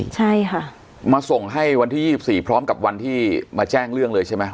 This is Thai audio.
ใช่ค่ะมาส่งให้วันที่ยี่สิบสี่พร้อมกับวันที่มาแจ้งเรื่องเลยใช่ไหม